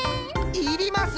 いります！